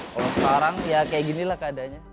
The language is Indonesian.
kalau sekarang ya kayak ginilah keadaannya